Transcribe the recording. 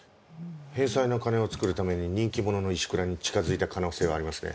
返済の金を作るために人気者の石倉に近づいた可能性はありますね。